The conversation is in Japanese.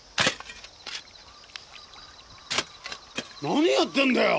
何やってんだよ！